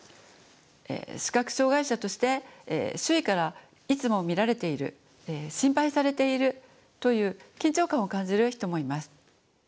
視覚障害者として周囲からいつも見られている心配されているという緊張感を感じる人もいます。